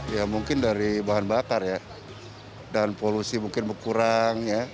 ya mungkin dari bahan bakar ya dan polusi mungkin berkurang ya